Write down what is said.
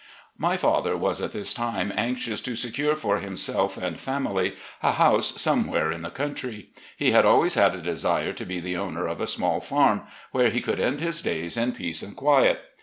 My father was at this time anxiotis to secure for himself and family a house somewhere in the country. He had always had a desire to be the owner of a small farm, where he could end his days in peace and quiet.